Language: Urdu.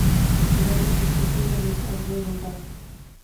قدرتی خوبصورتی سے لطف اندوز ہوتا ہوں